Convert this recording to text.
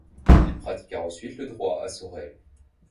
Il pratiqua ensuite le droit à Sorel.